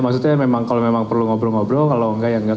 maksudnya memang kalau memang perlu ngobrol ngobrol kalau enggak ya enggak